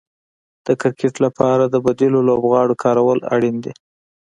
د کرکټ لپاره د بديلو لوبغاړو کارول اړين دي.